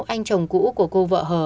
anh chồng cũ của cô vợ hờ